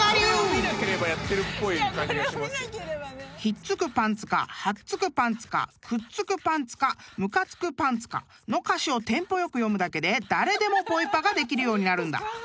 ［「ひっつくパンツかはっつくパンツかくっつくパンツかムカつくパンツか」の歌詞をテンポ良く読むだけで誰でもボイパができるようになるんだ］